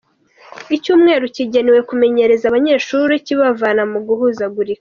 Icyumweru kigenewe kumenyereza abanyeshuri kibavana mu guhuzagurika